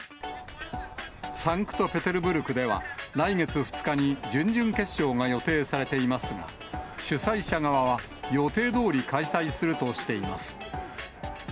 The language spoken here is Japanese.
サンクトペテルブルクでは、来月２日に準々決勝が予定されていますが、主催者側は、予定どおり、開催するとしています。